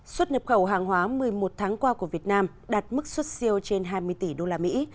xuất nhập khẩu hàng hóa một mươi một tháng qua của việt nam đạt mức xuất siêu trên hai mươi tỷ đô la mỹ